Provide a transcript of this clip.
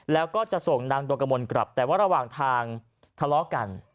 แล้วก็จะส่งนางดวงกระมวลกลับแต่ว่าระหว่างทางทะเลาะกัน